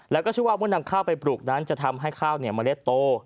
แล้วก็ชื่อว่าเมื่อนำข้าวไปปลูกนั้นจะทำให้ข้าวเมล็ดโต